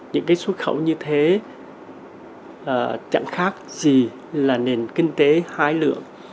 những cái xuất khẩu như thế chẳng khác gì là nền kinh tế hai lượng